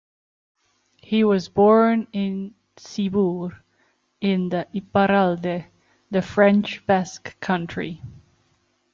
He was born in Ciboure, in the Iparralde, the French Basque Country.